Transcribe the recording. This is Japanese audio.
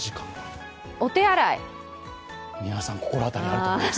皆さん、心当たりあると思います。